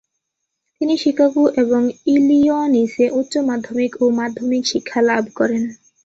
তিনি শিকাগো এবং ইলিয়নিসে উচ্চ মাধ্যমিক ও মাধ্যমিক শিক্ষা লাভ করেন।